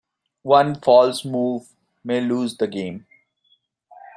One false move may lose the game.